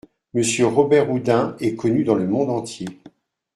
Monsieur Robert-Houdin est connu dans le monde entier.